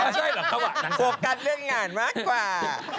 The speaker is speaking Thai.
พวกกันเรื่องงานมากกว่า